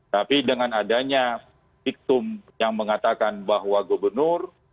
tapi dengan adanya victum yang mengatakan bahwa gubernur